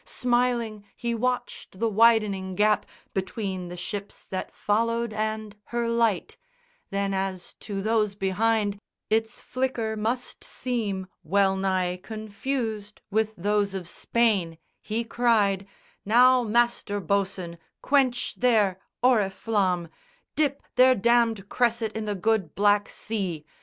Smiling he watched the widening gap Between the ships that followed and her light, Then as to those behind, its flicker must seem Wellnigh confused with those of Spain, he cried, "Now, master bo'sun, quench their oriflamme, Dip their damned cresset in the good black Sea!